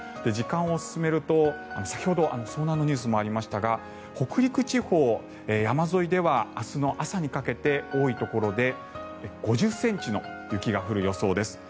時間を進めると先ほど遭難のニュースがありましたが北陸地方山沿いでは明日の朝にかけて多いところで５０ｃｍの雪が降る予想です。